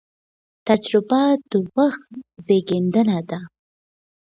تجربه د وخت زېږنده ده.